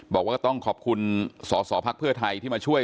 บอกว่าต้องขอบคุณสสพไทยที่มาช่วย